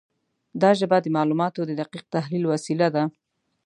دا ژبه د معلوماتو د دقیق تحلیل وسیله ده.